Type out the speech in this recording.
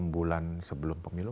enam bulan sebelum pemilu